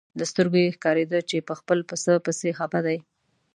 له سترګو یې ښکارېده چې په خپل پسه پسې خپه دی.